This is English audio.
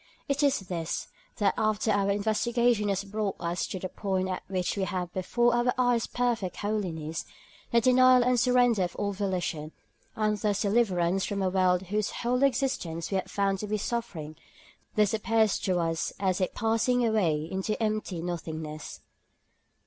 It is this, that after our investigation has brought us to the point at which we have before our eyes perfect holiness, the denial and surrender of all volition, and thus the deliverance from a world whose whole existence we have found to be suffering, this appears to us as a passing away into empty nothingness.